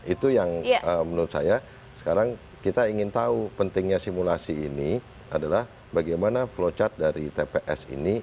itu yang menurut saya sekarang kita ingin tahu pentingnya simulasi ini adalah bagaimana flow chart dari tps ini